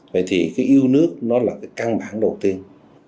vậy thì cái yêu nước nó là cái căn bản đầu tiên